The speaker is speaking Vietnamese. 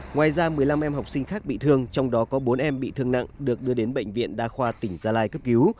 ngoài ra một mươi năm em học sinh khác bị thương trong đó có bốn em bị thương nặng được đưa đến bệnh viện đa khoa tỉnh gia lai cấp cứu